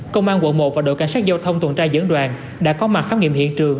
công an quận một và đội cảnh sát giao thông tuần tra dẫn đoàn đã có mặt khám nghiệm hiện trường